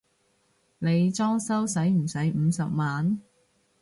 你裝修駛唔駛五十萬？